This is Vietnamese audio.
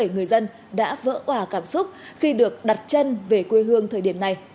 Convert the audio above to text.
người dân đã vỡ quả cảm xúc khi được đặt chân về quê hương thời điểm này